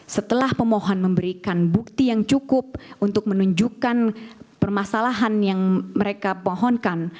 setelah pemohon memberikan bukti yang cukup untuk menunjukkan permasalahan yang mereka pohonkan